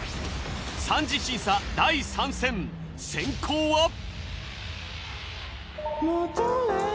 三次審査第３戦先攻は。